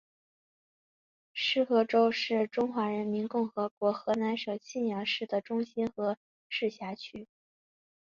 浉河区是中华人民共和国河南省信阳市的中心和市辖区。